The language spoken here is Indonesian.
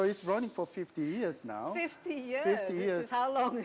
jadi kendaraan ini berjalan selama lima puluh tahun sekarang